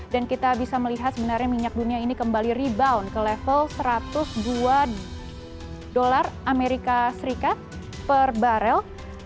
dan kita bisa melihat sebenarnya minyak dunia ini kembali rebound ke level satu ratus dua dolar amerika serikat per barrel